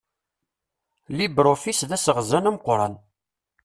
LibreOffice d aseɣzan ameqqran.